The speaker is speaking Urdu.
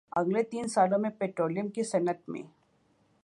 اگلے تین سالوں میں پٹرولیم کی صنعت میں